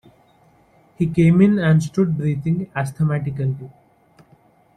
He came in and stood breathing asthmatically.